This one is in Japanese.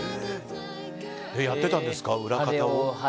やっていたんですか、裏方を。